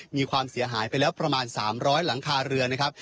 มีความเสียหายไปแล้วประมาณ๓๐๐หลังคาเรือนนะครับ